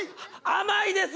甘いです！